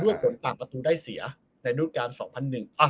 ด้วยผลปากประตูได้เสียในรูปการณ์สองพันหนึ่งอ่า